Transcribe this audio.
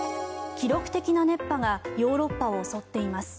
記録的な熱波がヨーロッパを襲っています。